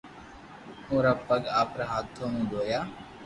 اورا پگ آپري ھاٿو مون دويا